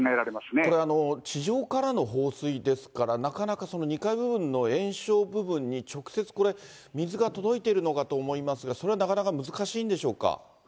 これ、地上からの放水ですから、なかなかその２階部分の延焼部分に直接これ、水が届いているのかと思いますが、それもなかなか難しいんでしょうか。